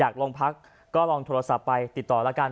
โรงพักก็ลองโทรศัพท์ไปติดต่อแล้วกัน